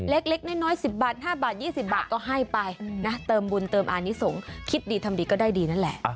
เล็กน้อย๑๐บาท๕บาท๒๐บาทก็ให้ไปนะเติมบุญเติมอานิสงฆ์คิดดีทำดีก็ได้ดีนั่นแหละ